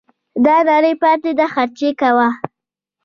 دا نړۍ پاته ده خرچې کوه